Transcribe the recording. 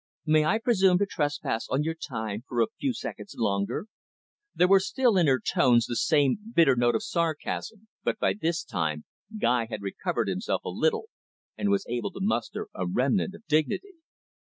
May I presume to trespass on your time for a few seconds longer?" There was still in her tones the same bitter note of sarcasm. But by this time, Guy had recovered himself a little, and was able to muster a remnant of dignity.